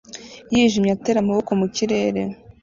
yijimye atera amaboko mu kirere